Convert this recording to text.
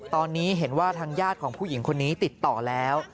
ตอนนี้เห็นว่าทางญาติของผู้หญิงคนนี้ติดต่อแล้ว